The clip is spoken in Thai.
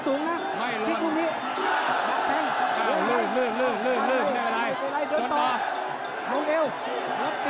ตอนนี้มันถึง๓